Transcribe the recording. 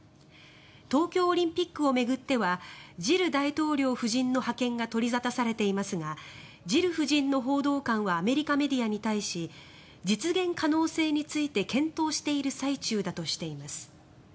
東京オリンピックを巡ってはジル大統領夫人の派遣が取り沙汰されていますがジル夫人の報道官はアメリカメディアに対し実現可能性について検討している最中だとしています。